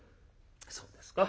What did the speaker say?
「そうですか。